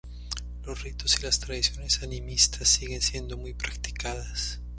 Los ritos y las tradiciones animistas siguen siendo muy practicadas.